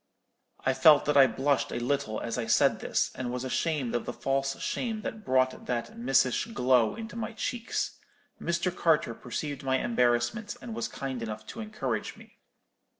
"I felt that I blushed a little as I said this, and was ashamed of the false shame that brought that missish glow into my cheeks. Mr. Carter perceived my embarrassment, and was kind enough to encourage me.